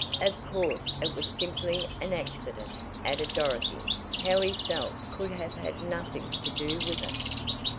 "Of course, it was simply an accident," added Dorothy. "How he felt could have had nothing to do with it."